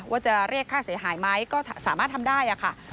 ว่าจะเรียกค่าเสียหายไหมก็สามารถทำได้ค่ะ